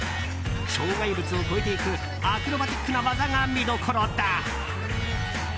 障害物を越えていくアクロバティックな技が見どころだ。